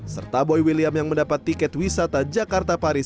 serta boy william yang mendapat tiket wisata jakarta paris